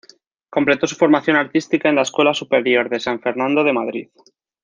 Completó su formación artística en la Escuela Superior de San Fernando de Madrid.